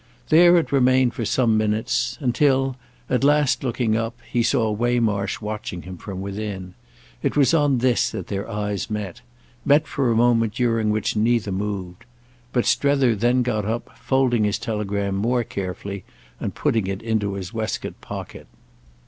There it remained for some minutes, until, at last looking up, he saw Waymarsh watching him from within. It was on this that their eyes met—met for a moment during which neither moved. But Strether then got up, folding his telegram more carefully and putting it into his waistcoat pocket.